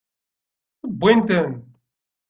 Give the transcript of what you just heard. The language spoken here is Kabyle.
Wwin-ten.